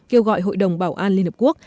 kêu gọi hội đồng bảo an liên hợp quốc